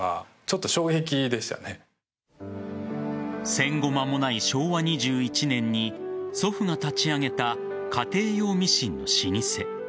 戦後間もない昭和２１年に祖父が立ち上げた家庭用ミシンの老舗。